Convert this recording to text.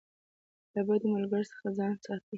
له بدو ملګرو ځان وساتئ.